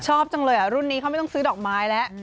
ชอบจังเลยรุ่นนี้เขาไม่ต้องซื้อดอกไม้แล้ว